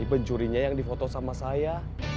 pencurinya yang difoto sama saya